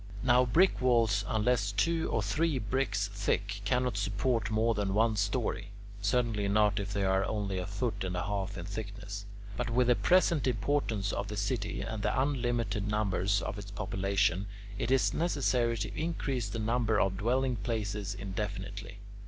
Now brick walls, unless two or three bricks thick, cannot support more than one story; certainly not if they are only a foot and a half in thickness. But with the present importance of the city and the unlimited numbers of its population, it is necessary to increase the number of dwelling places indefinitely.